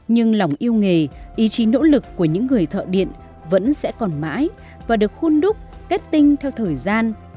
nhưng lòng yêu nghề ý chí nỗ lực của những người thợ điện vẫn sẽ còn mãi và được khuôn đúc kết tinh theo thời gian